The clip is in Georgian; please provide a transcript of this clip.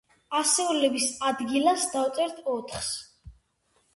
ასეულების ადგილას დავწერთ ოთხს.